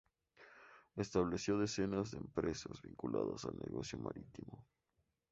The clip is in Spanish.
Estableció decenas de empresas vinculadas al negocio marítimo.